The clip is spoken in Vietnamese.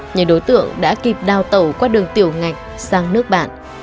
nhà đối tượng đã kịp đào tẩu qua đường tiểu ngạch sang nước bạn